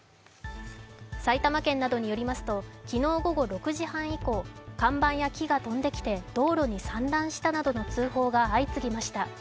埼玉県などによりますと昨日午後６時半以降、看板や木が飛んできて道路に散乱したなどの通報が相次ぎました。